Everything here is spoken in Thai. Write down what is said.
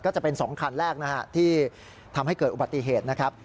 ก็จะเป็น๒คันแรกนะฮะที่ทำให้เกิดอุบัติเหตุนะครับ